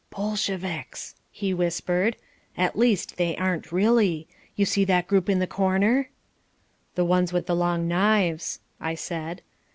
"Bolsheviks," he whispered. "At least they aren't really. You see that group in the corner? "The ones with the long knives," I said.